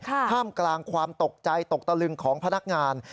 ท่ามกลางความตกใจตกตะลึงของพนักงาน